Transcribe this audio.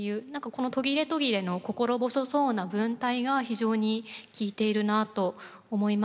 この途切れ途切れの心細そうな文体が非常に効いているなと思いました。